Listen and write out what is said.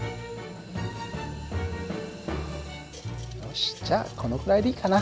よしじゃあこのくらいでいいかな。